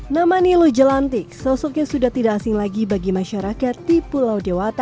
nama nilu jelantik sosoknya sudah tidak asing lagi bagi masyarakat di pulau dewata